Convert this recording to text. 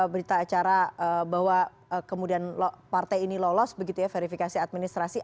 berita acara bahwa kemudian partai ini lolos begitu ya verifikasi administrasi